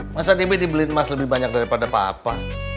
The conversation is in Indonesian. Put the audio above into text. masa tipe dibeliin mas lebih banyak daripada papa